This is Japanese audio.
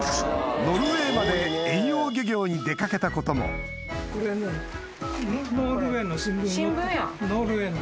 ノルウェーまで遠洋漁業に出掛けたことも新聞やん。